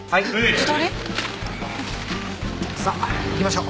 自撮り？さあ行きましょう。